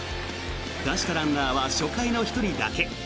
出したランナーは初回の１人だけ。